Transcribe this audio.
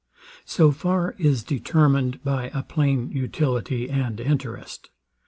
So far is determined by a plain utility and interest.